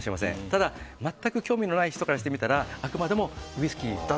ただ、全く興味のない人からしてみたらあくまでもウイスキーとして。